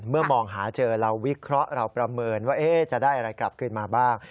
มองหาเจอเราวิเคราะห์เราประเมินว่าจะได้อะไรกลับขึ้นมาบ้าง